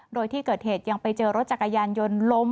โดยที่เกิดเหตุยังไปเจอรถจักรยานยนต์ล้ม